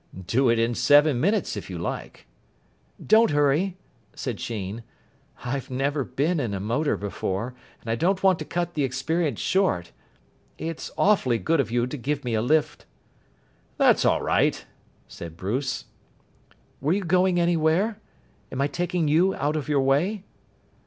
"Do it in seven minutes, if you like." "Don't hurry," said Sheen. "I've never been in a motor before, and I don't want to cut the experience short. It's awfully good of you to give me a lift." "That's all right," said Bruce. "Were you going anywhere? Am I taking you out of your way?"